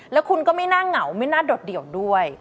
แล้วคุณก็ไม่น่าเหงาไม่น่าโดดเดี่ยวด้วย